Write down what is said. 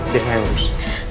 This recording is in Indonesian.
biar saya urus